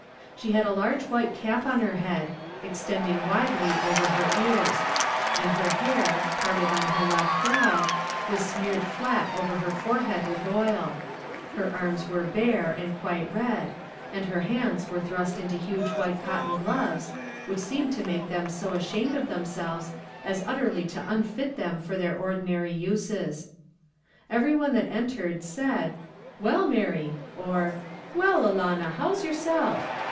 She had a large white cap on her head, extending widely over her ears; and her hair, parted on her left brow, was smeared flat over her forehead with oil: her arms were bare, and quite red, and her hands were thrust into huge white cotton gloves, which seemed to make them so ashamed of themselves as utterly to unfit them for their ordinary uses. Everyone that entered, said, "Well, Mary," or, "Well, alanna, how's yourself?"